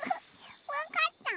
わかった？